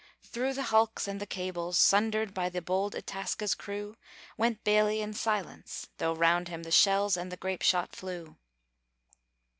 Through the hulks and the cables, sundered By the bold Itasca's crew, Went Bailey in silence, though round him The shells and the grape shot flew.